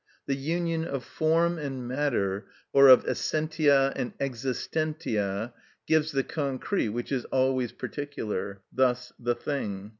The union of form and matter, or of essentia and existentia, gives the concrete, which is always particular; thus, the thing.